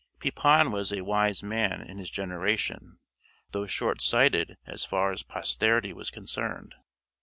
Pepin was a wise man in his generation, though short sighted as far as posterity was concerned.